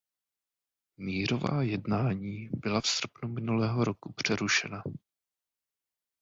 Mírová jednání byla v srpnu minulého roku přerušena.